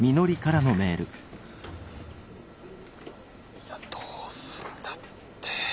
いやどうすんだって。